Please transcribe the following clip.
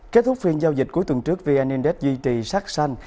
kết thúc phiên giao dịch cuối tuần trước vn index duy trì sắc xanh